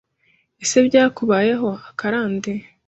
ese byakubayeho akarande